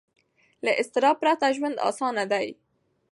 له اضطراب پرته ژوند اسانه دی.